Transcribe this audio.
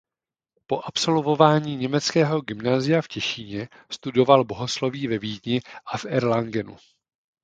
Po absolvování německého gymnázia v Těšíně studoval bohosloví ve Vídni a v Erlangenu.